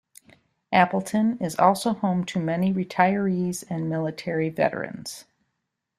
Appleton is also home to many retirees and military veterans.